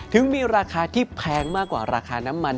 ถึงมีราคาที่แพงมากกว่าราคาน้ำมัน